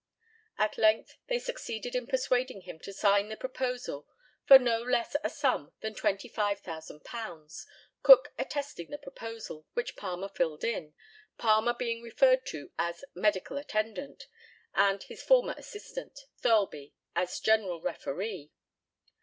At length they succeeded in persuading him to sign the proposal for no less a sum than £25,000, Cook attesting the proposal, which Palmer filled in, Palmer being referred to as medical attendant, and his former assistant, Thirlby, as general referee.